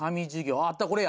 あああったこれや。